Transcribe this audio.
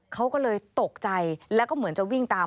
เขาก็เลยตกใจแล้วก็เหมือนจะวิ่งตาม